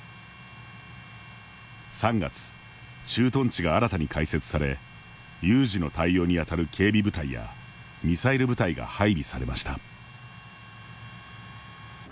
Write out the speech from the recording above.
３月、駐屯地が新たに開設され有事の対応にあたる警備部隊やミサイル部隊が配備されました。